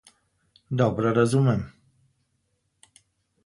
Dobro razumem.